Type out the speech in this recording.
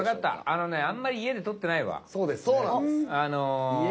あのねあんまり家で撮ってないわ。